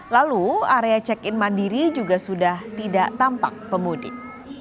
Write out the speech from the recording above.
lalu area check in mandiri juga sudah tidak tampak pemudik